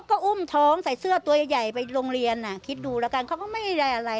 แล้วเขาก็อุ้มท้องใส่เสื้อใหญ่ไปโรงเรียนนะคิดดูแล้วกันเขาก็ไม่อะไร